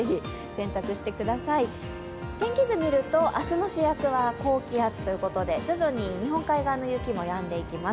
天気図を見ると、明日の主役は高気圧ということで徐々に日本海側の雪もやんでいきます。